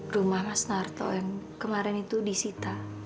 rumah mas narto yang kemarin itu disita